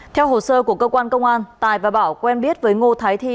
theo hồ sơ của cơ quan công an tài và bảo quen biết với ngô thái thi